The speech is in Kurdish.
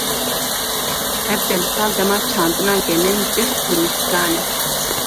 Ev demsal, dema çandina genim, ceh û nîskan e.